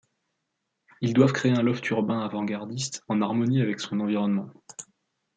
Ils doivent créer un loft urbain avant-gardiste, en harmonie avec son environnement.